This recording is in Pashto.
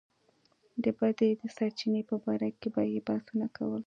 د بدۍ د سرچينې په باره کې به يې بحثونه کول.